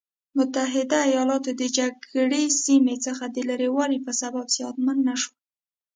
متحده ایلاتو د جګړې سیمې څخه د لرې والي په سبب زیانمن نه شول.